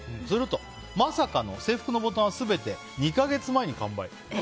すると、まさかの制服のボタンは全て２か月前に完売。